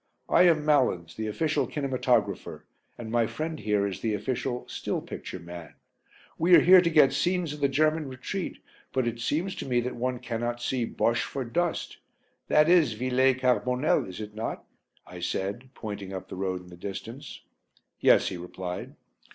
I am Malins, the Official Kinematographer, and my friend here is the Official 'still' picture man. We are here to get scenes of the German retreat, but it seems to me that one cannot see Bosche for dust. That is Villers Carbonel, is it not?" I said, pointing up the road in the distance. "Yes," he replied.